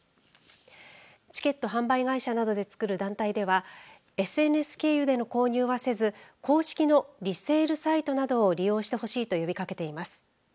チケット販売会社などでつくる団体ではＳＮＳ経由での購入はせず公式のリセールサイトなどを利用してほしいと呼びかけています。